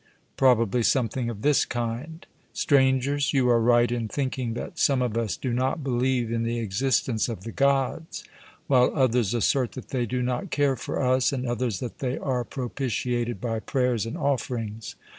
Probably something of this kind: 'Strangers you are right in thinking that some of us do not believe in the existence of the Gods; while others assert that they do not care for us, and others that they are propitiated by prayers and offerings.